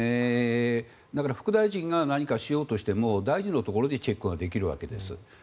だから副大臣が何かしようとしても大臣のところでチェックができるわけです。